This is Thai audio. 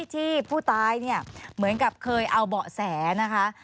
ที่ผู้ตายเนี่ยเหมือนกับเคยเอาเบาะแสนะคะ